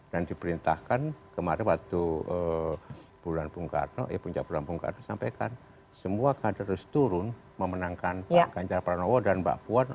dan diperintahkan kemarin waktu bulan punggarno ya puncak bulan punggarno sampaikan semua kader harus turun memenangkan pak ganjar peran allah dan mbak puan